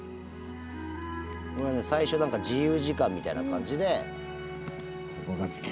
最初何か自由時間みたいな感じで。